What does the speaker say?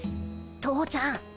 父ちゃん。